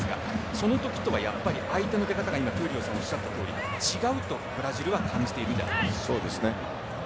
そのときとは相手の出方が闘莉王さんがおっしゃったとおり違うとブラジルは感じている。